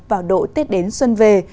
vào đội tết đến xuân về